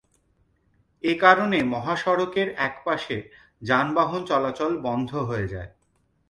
এ কারণে মহাসড়কের এক পাশে যানবাহন চলাচল বন্ধ হয়ে যায়।